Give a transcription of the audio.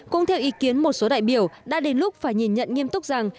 cũng theo ý kiến một số đại biểu đã đến lúc phải nhìn nhận nghiêm túc rằng